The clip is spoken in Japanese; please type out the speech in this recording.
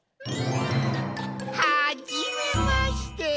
はじめまして。